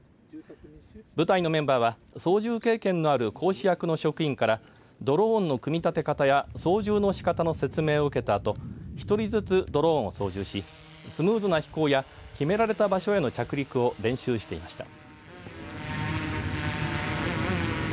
部隊のメンバーは操縦経験のある講師役の職員からドローンの組み立て方や操縦のしかたの説明を受けたあと１人ずつドローンを操縦しスムーズな飛行や決められた場所への着陸を練習していました。